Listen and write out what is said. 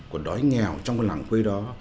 của đói nghèo trong cái làng quê đó